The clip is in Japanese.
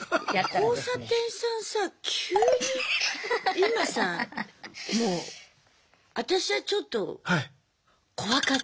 交差点さんさあ急に今さもう私はちょっと怖かった。